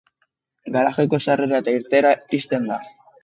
Garajeko sarrera eta irteera ixten da.